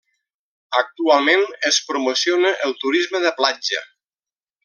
Actualment es promociona el turisme de platja.